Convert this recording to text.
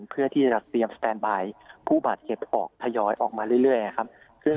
เพื่อที่จะเตรียมสแตนบายผู้บาดเจ็บออกทยอยออกมาเรื่อยนะครับ